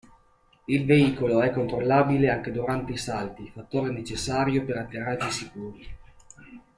Il veicolo è controllabile anche durante i salti, fattore necessario per atterraggi sicuri.